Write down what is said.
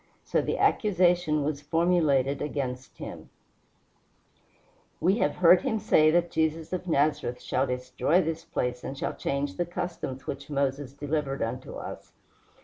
So the accusation was formulated against him: "We have heard him say that Jesus of Nazareth shall destroy this place and shall change the customs which Moses delivered unto us."